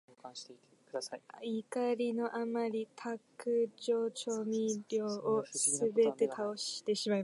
怒りのあまり、卓上調味料をすべて倒してしまいました。